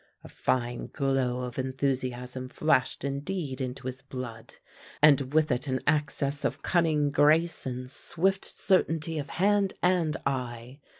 A fine glow of enthusiasm flashed indeed into his blood, and with it an access of cunning grace and swift certainty of hand and eye.